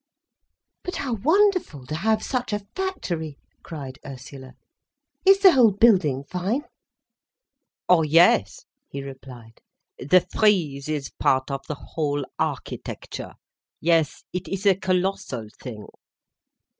"But how wonderful, to have such a factory!" cried Ursula. "Is the whole building fine?" "Oh yes," he replied. "The frieze is part of the whole architecture. Yes, it is a colossal thing."